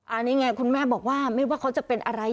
อันนี้ไงคุณแม่บอกว่าไม่ว่าเขาจะเป็นอะไร